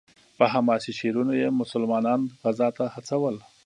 په حماسي شعرونو یې مسلمانان غزا ته هڅول.